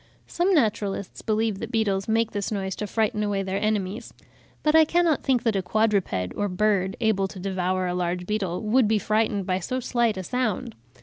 Some naturalists believe that beetles make this noise to frighten away their enemies; but I cannot think that a quadruped or bird, able to devour a large beetle, would be frightened by so slight a sound.